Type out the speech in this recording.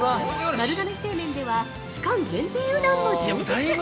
丸亀製麺では、期間限定うどんも充実。